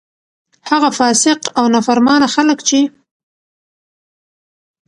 هغه فاسق او نا فرمانه خلک چې: